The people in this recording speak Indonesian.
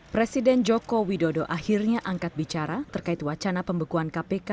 presiden joko widodo akhirnya angkat bicara terkait wacana pembekuan kpk